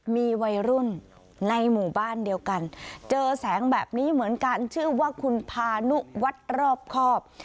มีวัยรุ่นในหมู่บ้านเดียวกันเจอแสงแบบนี้เหมือนกันชื่อว่าคุณพานุวัฒน์รอบครอบ